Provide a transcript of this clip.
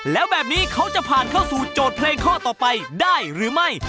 แล้วแบบนี้เขาจะผ่านเข้าสู่โจทย์เพลงข้อต่อไปได้หรือไม่